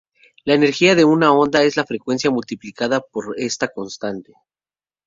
La energía de una onda es la frecuencia multiplicada por esta constante.